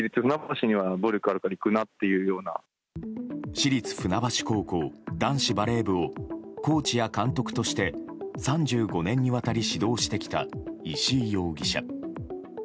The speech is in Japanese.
市立船橋高校、男子バレー部をコーチや監督として３５年にわたり指導してきた石井容疑者。